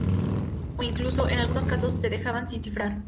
O, incluso, en algunos casos, se dejaban sin cifrar.